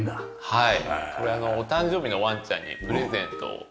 はい。